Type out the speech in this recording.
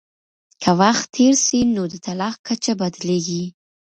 که وخت تېر سي نو د طلاق کچه بدلیږي.